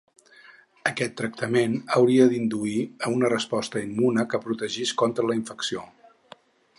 Aquest tractament hauria d’induir a una resposta immune que protegís contra la infecció.